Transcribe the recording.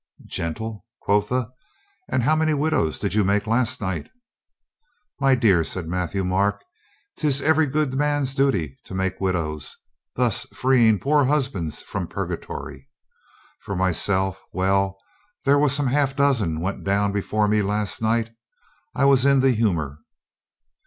"Gentle, quotha! And how many widows did you make last night?" "My dear," said Matthieu Marc, "'tis every good man's duty to make widows. Thus freeing poor husbands from purgatory. For myself, well, there were some half dozen went down before me last night. I was in the humor."